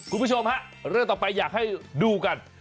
คุณผู้ชมฮะเรื่องต่อไปอยากให้ดูกัน